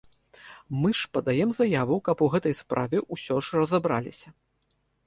Мы ж падаём заяву, каб у гэтай справе ўсё ж разабраліся.